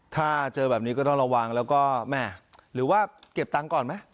ถ้าเจอแบบนี้ก็ต้องระวังแล้วก็แม่หรือว่าเก็บตังค์ก่อนไหม